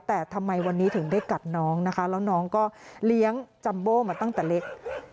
แต่ทำไมวันนี้ถึงได้กัดน้องนะคะแล้วน้องก็เลี้ยงจัมโบ้มาตั้งแต่เล็ก